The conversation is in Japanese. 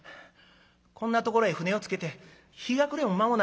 「こんなところへ舟を着けて日がくれも間もない。